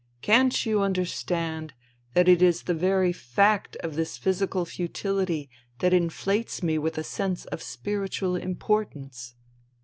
" Can't you understand that it is the very fact of this physical futility that inflates me with a sense of spiritual importance